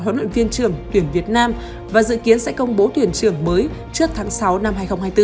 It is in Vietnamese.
huấn luyện viên trưởng tuyển việt nam và dự kiến sẽ công bố tuyển trưởng mới trước tháng sáu năm hai nghìn hai mươi bốn